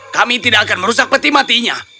kami tidak akan merusak peti matinya